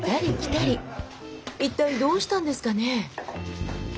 一体どうしたんですかね？